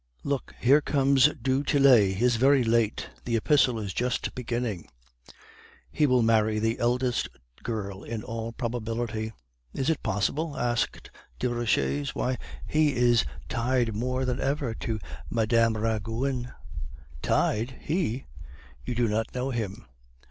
"'Look here comes du Tillet; he is very late. The epistle is just beginning.' "'He will marry the eldest girl in all probability.' "'Is it possible?' asked Desroches; 'why, he is tied more than ever to Mme. Roguin.' "'Tied he? You do not know him.